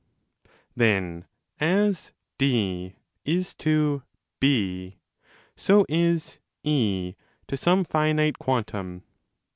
Then, as D is to 8, 80 is & to some finite quantum.